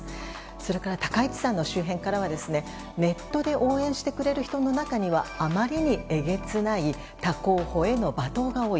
それから高市さんの周辺からはネットで応援してくれる人の中にはあまりにえげつない他候補への罵倒が多い。